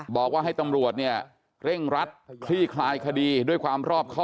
บอกว่าให้ตำรวจเนี่ยเร่งรัดคลี่คลายคดีด้วยความรอบครอบ